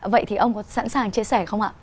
vậy thì ông có sẵn sàng chia sẻ không ạ